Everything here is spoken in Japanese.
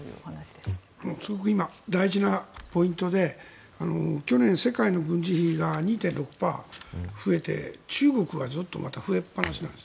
すごく今大事なポイントで去年、世界の軍事費が２．６％増えて中国がずっと増えっぱなしなんです。